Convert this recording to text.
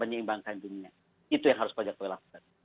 menyeimbangkan dunia itu yang harus pak jokowi lakukan